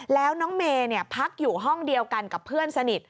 แล้วน้องเมย์พักอยู่ห้องเดียวกันกับเพื่อนสนิท